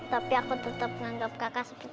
tapi aku tetep nganggep kakak seperti kakak aku sendiri